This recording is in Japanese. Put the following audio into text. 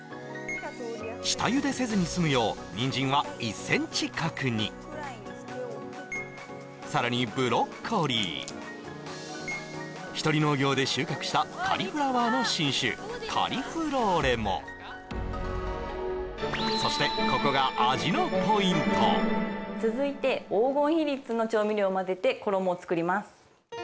下茹でせずに済むよう人参は１センチ角にさらにひとり農業で収穫したカリフラワーの新種カリフローレもそしてここが続いて黄金比率の調味料をまぜて衣を作ります